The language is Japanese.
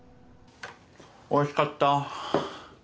おいしかった。